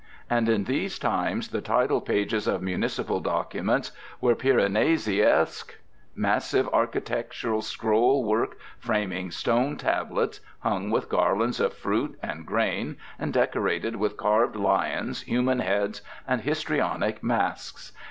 And in these times the title pages of municipal documents were Piranesiesque: massive architectural scroll work framing stone tablets, hung with garlands of fruit and grain, and decorated with carved lions, human heads, and histrionic masks.